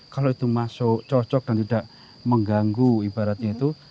kalau itu masuk cocok dan tidak mengganggu ibaratnya itu